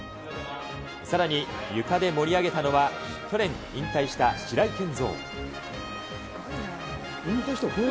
さらに、ゆかで盛り上げたのは、去年引退した白井健三。